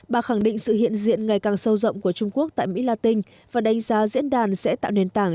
bà khẳng định sự hiện diện ngày càng sâu rộng của trung quốc tại mỹ la tinh và đánh giá diễn đàn sẽ tạo nền tảng